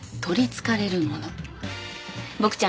とり憑かれるもの。